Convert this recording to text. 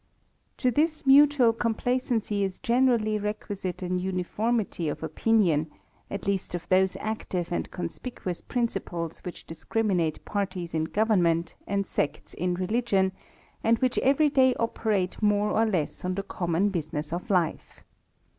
To this mutual complacency is generally requisite an uniformity of opinion, at least of those active and con spicuous principles which discriminate parties in government^ and sects in religion, and which every day operate more or less on the common business of life.